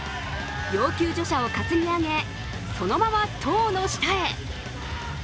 要救助者を担ぎ上げ、そのまま棟の下へ。